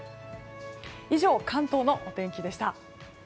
以上、関東のお天気でした。